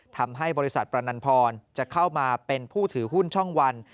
ทำให้บริษัทประนันพรจะเข้ามาเป็นผู้ถือหุ้นช่องวัน